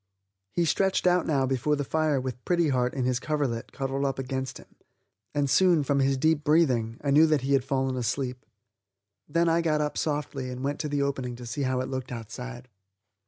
He stretched out now before the fire with Pretty Heart in his coverlet cuddled up against him, and soon, from his deep breathing, I knew that he had fallen asleep. Then I got up softly and went to the opening to see how it looked outside.